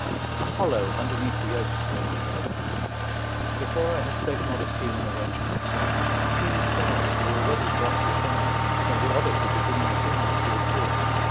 A hollow underneath the oak was my bed. Before I had fed Modestine and arranged my sack, three stars were already brightly shining, and the others were beginning dimly to appear.